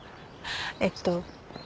えっと。